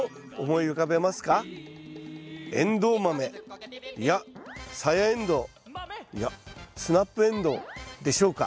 いやサヤエンドウ？いやスナップエンドウでしょうか？